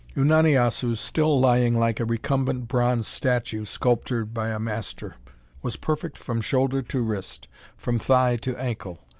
Unani Assu, still lying like a recumbent bronze statue sculptured by a master, was perfect from shoulder to wrist, from thigh to ankle.